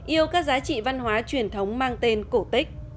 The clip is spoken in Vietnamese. yêu các giá trị văn hóa truyền thống mang tên cổ tích